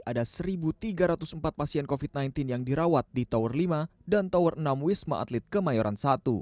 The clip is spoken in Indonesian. ada satu tiga ratus empat pasien covid sembilan belas yang dirawat di tower lima dan tower enam wisma atlet kemayoran satu